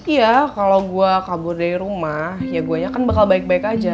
iya kalau gue kabur dari rumah ya gue nya kan bakal baik baik aja